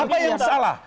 apa yang salah